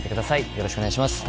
よろしくお願いします